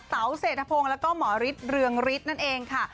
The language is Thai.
เต๋าเศรษฐพงศ์แล้วก็หมอฤทธิเรืองฤทธิ์นั่นเองค่ะ